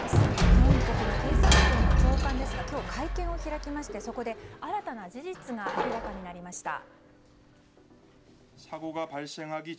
韓国の警察庁の長官ですが今日、会見を開きましてそこで新たな事実が明らかになりました。